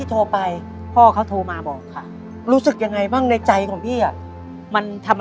ธัพโทรมาบอกแค่รู้สึกยังไงบ้างในใจของพี่อะมันทำ